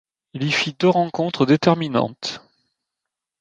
Il y fit deux rencontres déterminantes.